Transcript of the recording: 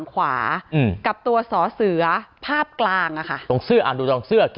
ส่วนขวาจอเป็นลายมือของครูเอ็มซึ่งไม่เหมือนกัน